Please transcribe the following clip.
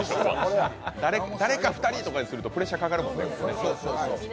誰か２人とかにするとプレッシャーかかるもんね。